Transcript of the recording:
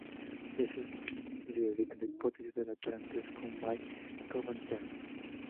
Estos hechos debilitan la hipótesis de un parentesco May-Kwomtari.